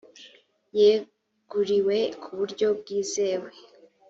yeguriwe ku buryo bwizewe